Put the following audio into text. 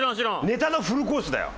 ネタのフルコースだよ！